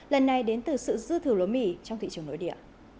lần này đến từ sự dư thử lúa mì trong thị trường nội địa